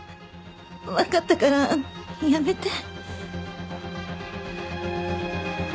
わかったからやめて。